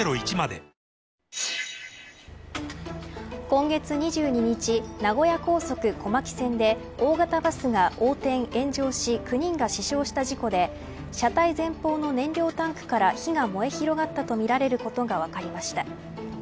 今月２２日名古屋高速、小牧線で大型バスが横転、炎上し９人が死傷した事故で車体前方の燃料タンクから火が燃え広がったとみられることが分かりました。